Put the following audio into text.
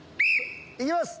行きます。